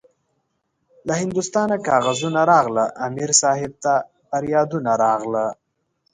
له هندوستانه کاغذونه راغله- امیر صاحب ته پریادونه راغله